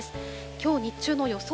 きょう日中の予想